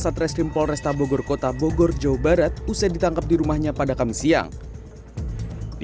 satreskrim polresta bogor kota bogor jawa barat usai ditangkap di rumahnya pada kamis siang di